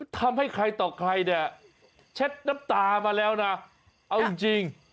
ทำให้ใครต่อใครเนี่ยเช็ดน้ำตามาแล้วนะเอาจริง